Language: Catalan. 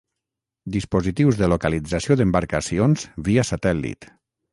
Dispositius de localització d'embarcacions via satèl·lit.